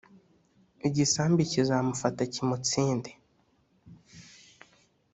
igisambi kizamufata kimutsinde